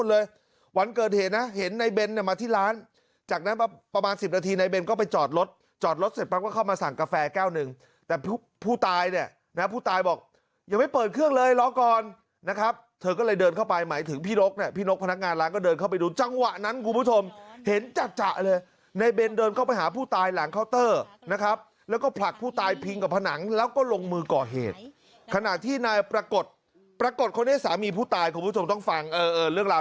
บ๊วยใครเคยขอหย่ากับเขานะ๒ครั้งมาแล้วแต่ก็ทุกครั้งก็เคลียร์กันรู้เรื่องอ่ะ